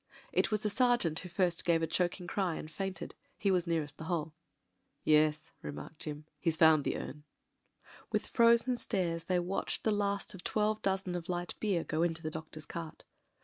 It was a sergeant who first gave a choking cry and fainted ; he was nearest the hole. "Yes," remarked Jim, "he's found the um." With frozen stares they watched the last of twelve dozen of light beer go into the doctor's cart.